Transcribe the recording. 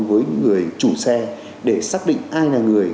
với người chủ xe để xác định ai là người